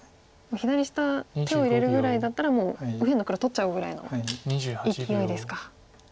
左下手を入れるぐらいだったらもう左辺の黒取っちゃおうぐらいのいきおいですか。